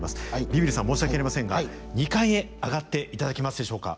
ビビるさん申し訳ありませんが２階へ上がっていただけますでしょうか。